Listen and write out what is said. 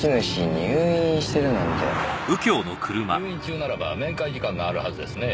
入院中ならば面会時間があるはずですねぇ。